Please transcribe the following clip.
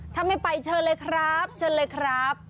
ถ้าไม่ไปเชิญเลยครับเชิญเลยครับ